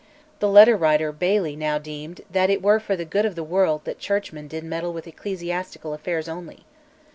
The letter writer, Baillie, now deemed "that it were for the good of the world that churchmen did meddle with ecclesiastical affairs only."